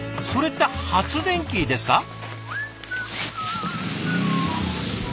それって発電機ですか？